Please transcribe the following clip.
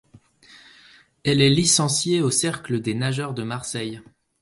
Elle est licenciée au Cercle des nageurs de Marseille.